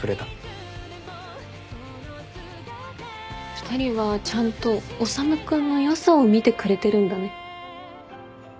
２人はちゃんと修君の良さを見てくれてるんだね。